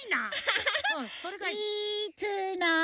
それがいいな！